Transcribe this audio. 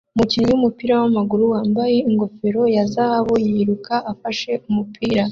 Umukinnyi wumupira wamaguru wambaye ingofero ya zahabu yiruka afashe umupira